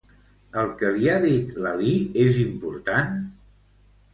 El que li ha dit Lalí és important?